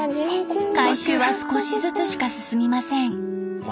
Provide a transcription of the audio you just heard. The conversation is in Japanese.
改修は少しずつしか進みません。